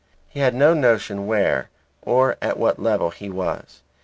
He had no notion where or at what level he was.